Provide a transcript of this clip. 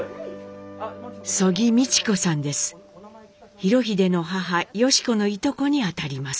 裕英の母良子のいとこにあたります。